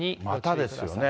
またですよね。